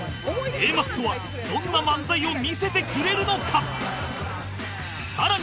Ａ マッソはどんな漫才を見せてくれるのか？